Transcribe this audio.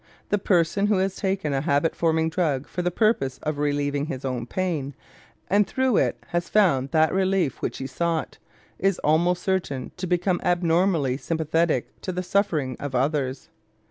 The person who has taken a habit forming drug for the purpose of relieving his own pain, and through it has found that relief which he sought, is almost certain to become abnormally sympathetic to the suffering of others.